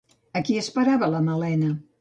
A qui esperava la Malena?